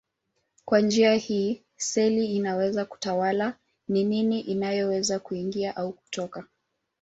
Kwa njia hii seli inaweza kutawala ni nini inayoweza kuingia au kutoka.